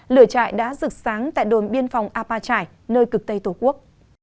lửa trại đã rực sáng tại đồn biên phòng apa trải nơi cực tây tổ quốc